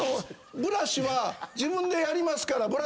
ブラシは自分でやりますから。